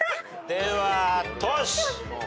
ではトシ。